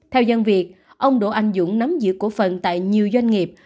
theo dân việc ông đỗ anh dũng nắm giữ cổ phần tại nhiều doanh nghiệp